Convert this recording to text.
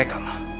aku akan menang